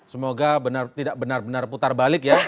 semoga tidak benar benar putar balik ya